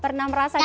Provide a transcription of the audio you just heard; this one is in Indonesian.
pernah merasa capek